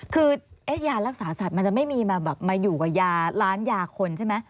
คือยารักษาสัตว์มันจะไม่มีมาแบบมาอยู่กับยาร้านยาคนใช่ไหม